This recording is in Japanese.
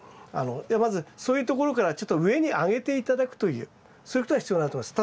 まずそういうところからちょっと上に上げて頂くというそういうことが必要になると思います。